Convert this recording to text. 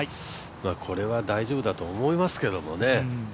これは大丈夫だと思いますけどね。